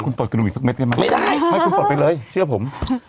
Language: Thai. คุณปลดกระหนูอีกซักเมตรได้มั้ยคุณปลดไปเลยเชื่อผม